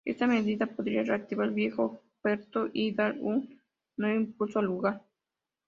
Esta medida podría reactivar el viejo puerto y dar un nuevo impulso al lugar.